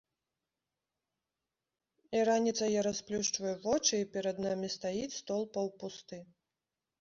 І раніцай я расплюшчваю вочы і перад намі стаіць стол паўпусты.